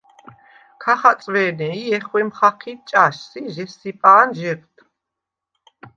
ქა ხაწვე̄ნე ი ჲეხვემ ხაჴიდ ჭაშს ი ჟესსიპა̄ნ ჟეღდ.